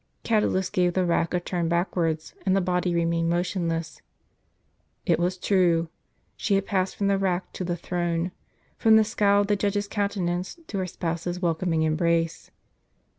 Catulus gave the rack a turn backwards, and the body remained motionless. It was true ; she had passed from the rack to the throne, from the scowl of the judge's counte nance to her Spouse's welcoming embrace.